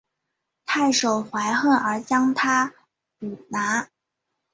太守怀恨而将他捕拿。